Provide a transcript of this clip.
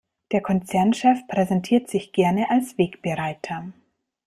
Der Konzernchef präsentiert sich gerne als Wegbereiter.